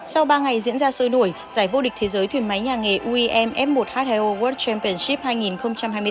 sau ba ngày diễn ra sôi nổi giải vô địch thế giới thuyền máy nhà nghề uem f một h hai o world championship hai nghìn hai mươi bốn